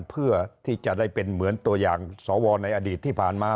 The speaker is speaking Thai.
เพื่อที่จะได้เป็นเหมือนตัวอย่างสวในอดีตที่ผ่านมา